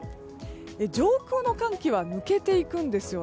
上空の寒気は抜けていくんです。